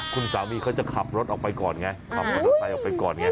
คุณสามีเขาจะขับรถออกไปก่อนไงขับมอเตอร์ไซค์ออกไปก่อนไง